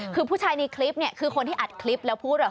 คือผู้ชายนี่คลิปคือคนที่อัดคลิปแล้วพูดแบบ